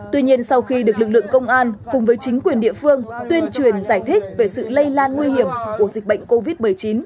tuy nhiên sau khi được lực lượng công an cùng với chính quyền địa phương tuyên truyền giải thích về sự lây lan nguy hiểm của dịch bệnh covid một mươi chín